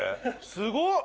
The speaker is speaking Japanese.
すごっ！